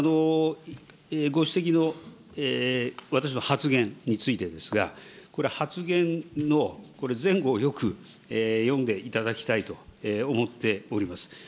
ご指摘の私の発言についてですが、これ、発言の前後をよく読んでいただきたいと思っております。